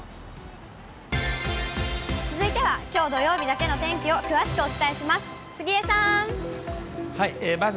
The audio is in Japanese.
続いてはきょう土曜日だけの天気を詳しくお伝えします。